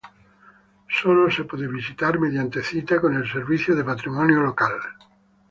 Sólo se puede visitar mediante cita con el servicio de patrimonio local.